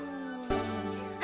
あ！